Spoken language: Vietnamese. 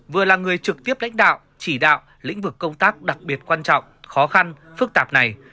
vừa là người trực tiếp lãnh đạo chỉ đạo lĩnh vực công tác đặc biệt quan trọng khó khăn phức tạp này